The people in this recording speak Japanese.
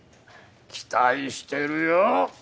期待してるよ。